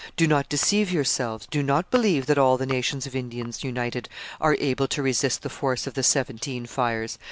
Do not deceive yourselves; do not believe that all the nations of Indians united are able to resist the force of the Seventeen Fires.